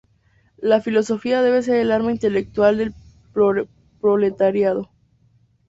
La filosofía debe ser el arma intelectual del proletariado.